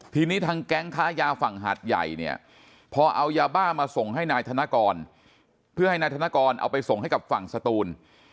ทีนี้ทางแก๊งค้ายาฝั่งหาดใหญ่เนี่ยพอเอายาบ้ามาส่งให้นายธนกรเพื่อให้นายธนกรเอาไปส่งให้กับฝั่งสตูน